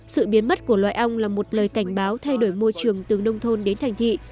sự biến mất của loài ong là một lời cảnh báo thay đổi môi trường từ nông thôn đến thành thị